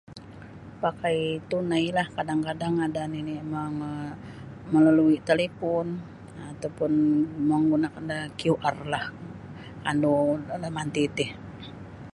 Pakai tunailah kadang-kadang ada nini' mongo melalui talipon atau pun monggunakan da QR lah kandu damanti ti